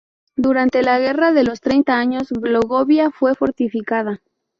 Durante la Guerra de los Treinta Años, Glogovia fue fortificada.